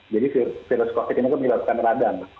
jadi virus covid sembilan belas itu dilakukan radang